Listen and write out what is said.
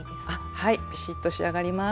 はいビシッと仕上がります。